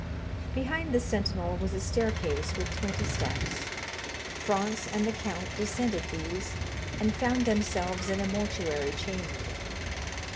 Behind the sentinel was a staircase with twenty steps. Franz and the count descended these, and found themselves in a mortuary chamber.